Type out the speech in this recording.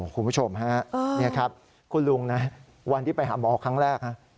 คุณผู้ชมฮะนี่ครับคุณลุงนะวันที่ไปหาหมอครั้งแรกนะ